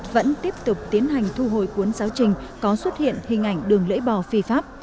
vẫn tiếp tục tiến hành thu hồi cuốn giáo trình có xuất hiện hình ảnh đường lưỡi bò phi pháp